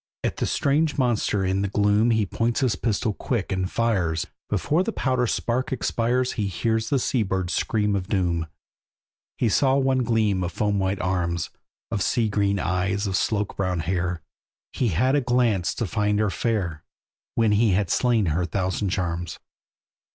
At that strange monster in the gloom He points his pistol quick, and fires; Before the powder spark expires He hears a sea bird's scream of doom. He saw one gleam of foam white arms, Of sea green eyes, of sloak brown hair; He had a glance to find her fair, When he had slain her thousand charms.